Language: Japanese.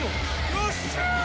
よっしゃー！